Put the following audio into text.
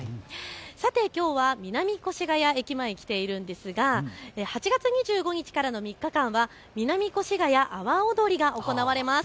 さてきょうは南越谷駅前に来ているんですが８月２５日からの３日間は南越谷阿波踊りが行われます。